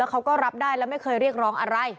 เขาก็รับได้แล้วไม่เคยเรียกร้องอะไร